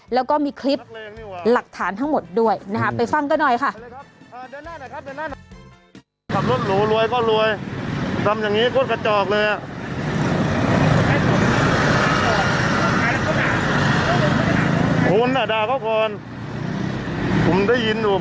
แล้วก็มีคลิปหลักฐานทั้งหมดด้วยนะคะไปฟังกันหน่อยค่ะ